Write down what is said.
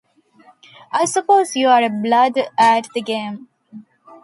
I suppose you are a blood at the game?